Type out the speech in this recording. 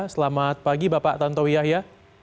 selamat pagi bapak tantowi yahya